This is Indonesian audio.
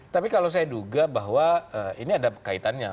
tapi kalau saya duga bahwa ini ada kaitannya